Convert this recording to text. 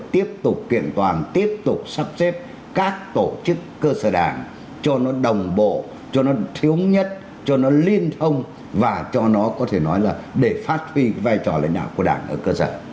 tiếp tục kiện toàn tiếp tục sắp xếp các tổ chức cơ sở đảng cho nó đồng bộ cho nó thiếu nhất cho nó liên thông và cho nó có thể nói là để phát huy vai trò lãnh đạo của đảng ở cơ sở